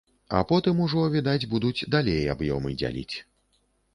А потым ужо, відаць, будуць далей аб'ёмы дзяліць.